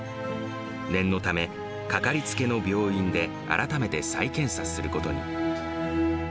念のため、かかりつけの病院で改めて再検査することに。